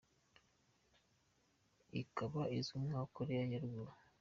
Ikaba izwi nka Koreya ya ruguru.